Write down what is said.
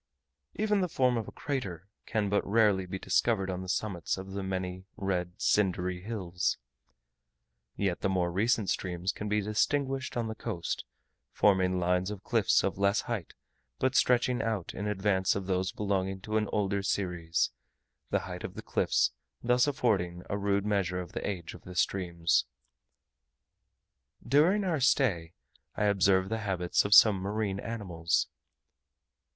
Even the form of a crater can but rarely be discovered on the summits of the many red cindery hills; yet the more recent streams can be distinguished on the coast, forming lines of cliffs of less height, but stretching out in advance of those belonging to an older series: the height of the cliffs thus affording a rude measure of the age of the streams. During our stay, I observed the habits of some marine animals.